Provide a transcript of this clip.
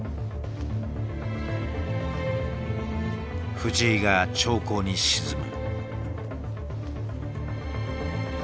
藤井が長考に沈む。